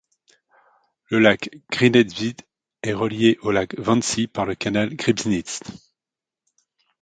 Le lac Griebnitzsee est relié au lac Wannsee par le canal Griebnitz.